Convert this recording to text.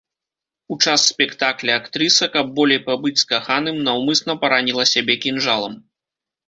У час спектакля актрыса, каб болей пабыць з каханым, наўмысна параніла сябе кінжалам.